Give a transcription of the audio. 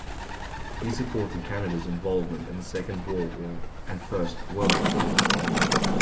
He supported Canada's involvement in the Second Boer War and First World War.